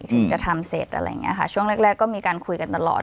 ถึงจะทำเสร็จอะไรอย่างนี้ค่ะช่วงแรกแรกก็มีการคุยกันตลอด